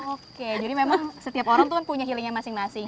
oke jadi memang setiap orang tuh kan punya healingnya masing masing